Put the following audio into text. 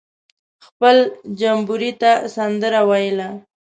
خپل جمبوري ته سندره ویله.